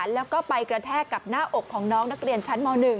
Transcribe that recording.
แล้วก็ไปกระแทกกับหน้าอกของน้องนักเรียนชั้นม๑